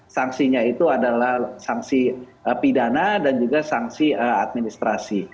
sanksinya itu adalah sanksi pidana dan juga sanksi administrasi